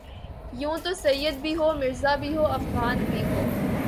یوں تو سید بھی ہو مرزابھی ہوافغان بھی ہو